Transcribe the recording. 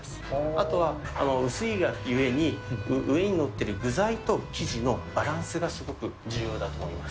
あとは薄いがゆえに、上に載ってる具材と生地のバランスがすごく重要だと思います。